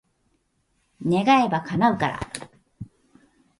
願えば、叶うから。